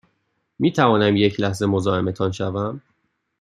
می توانم یک لحظه مزاحمتان شوم؟